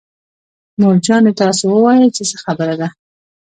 مور جانې تاسو ووايئ چې څه خبره ده.